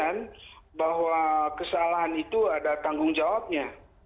dan kita bisa memastikan bahwa kesalahan itu ada tanggung jawabnya